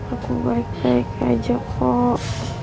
aku baik baik aja kok